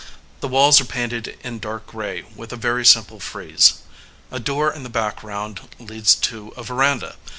The walls are painted in dark gray, with a very simple frieze. A door in the background leads to a veranda.